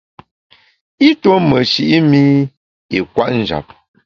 I tuo meshi’ mi i kwet njap.